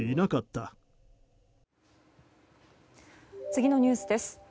次のニュースです。